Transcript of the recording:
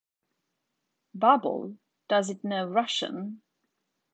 Bubble, does it know Russian?